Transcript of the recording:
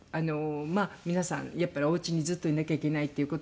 まあ皆さんやっぱりおうちにずっといなきゃいけないという事で。